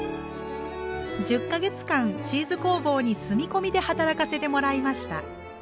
１０か月間チーズ工房に住み込みで働かせてもらいました。